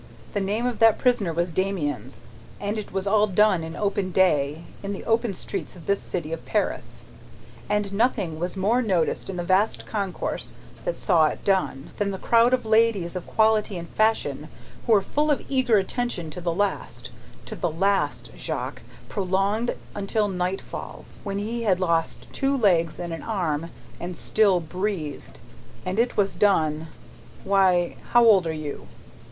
"The name of that prisoner was Damiens, and it was all done in open day, in the open streets of this city of Paris; and nothing was more noticed in the vast concourse that saw it done, than the crowd of ladies of quality and fashion, who were full of eager attention to the last to the last, Jacques, prolonged until nightfall, when he had lost two legs and an arm, and still breathed! And it was done why, how old are you?"